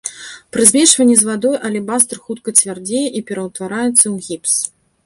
Пры змешванні з вадой алебастр хутка цвярдзее і пераўтвараецца ў гіпс.